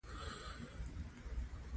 وګړي د افغانستان یوه طبیعي ځانګړتیا ده.